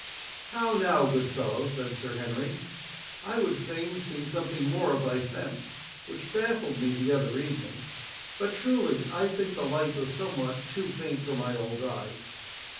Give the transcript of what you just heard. "How now, good fellow?" said Sir Henry; "I would fain see something more of thy fence, which baffled me the other evening; but truly, I think the light was somewhat too faint for my old eyes.